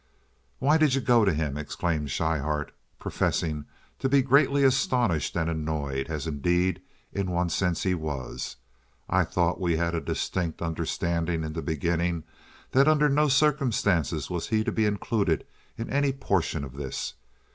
"Why did you go to him?" exclaimed Schryhart, professing to be greatly astonished and annoyed, as, indeed, in one sense he was. "I thought we had a distinct understanding in the beginning that under no circumstances was he to be included in any portion of this.